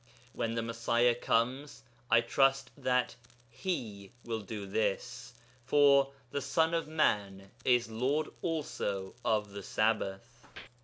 When the Messiah comes, I trust that He will do this. For 'the Son of Man is Lord also of the Sabbath.'